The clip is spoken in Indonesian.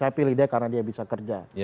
saya pilih dia karena dia bisa kerja